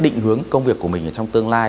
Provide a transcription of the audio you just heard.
định hướng công việc của mình trong tương lai